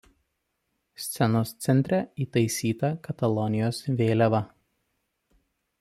Scenos centre įtaisyta Katalonijos vėliava.